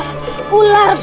siluman kubah hati hati